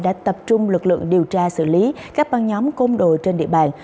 đã tập trung lực lượng điều tra xử lý các ban nhóm công đội trên địa bàn